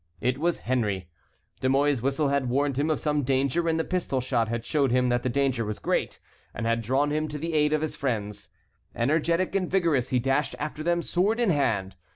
It was Henry. De Mouy's whistle had warned him of some danger and the pistol shot had showed him that the danger was great, and had drawn him to the aid of his friends. Energetic and vigorous, he dashed after them, sword in hand.